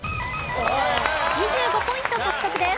２５ポイント獲得です。